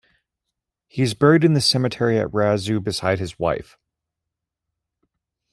He is buried in the cemetery at Raizeux beside his wife.